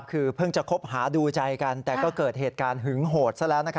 คือเพิ่งจะคบหาดูใจกันแต่ก็เกิดเหตุการณ์หึงโหดซะแล้ว